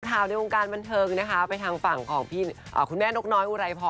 ในวงการบันเทิงนะคะไปทางฝั่งของคุณแม่นกน้อยอุไรพร